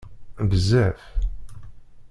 Bezzaf!